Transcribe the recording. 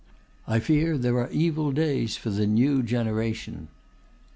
I fear there are evil days for the NEW GENERATION!